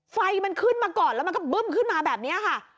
ไฟมันขึ้นมาก่อนแล้วมันก็บึ้มขึ้นมาแบบนี้ค่ะ